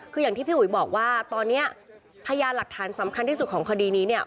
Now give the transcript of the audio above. คืออย่างที่พี่อุ๋ยบอกว่าตอนนี้พยานหลักฐานสำคัญที่สุดของคดีนี้เนี่ย